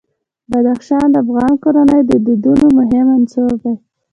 بدخشان د افغان کورنیو د دودونو مهم عنصر دی.